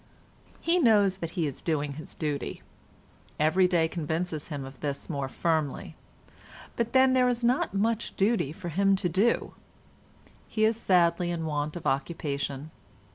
He knows that he is doing his duty. Every day convinces him of this more firmly; but then there is not much duty for him to do. He is sadly in want of occupation.